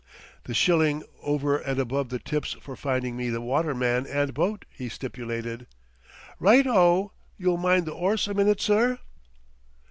"The shilling over and above the tip's for finding me the waterman and boat," he stipulated. "Right o. You'll mind the 'orse a minute, sir?"